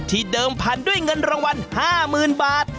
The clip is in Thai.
ที่เดิมผ่านด้วยเงินรางวัล๕๐๐๐๐บาท